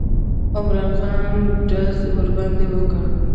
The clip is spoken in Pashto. عمرا خان ډز ورباندې وکړ.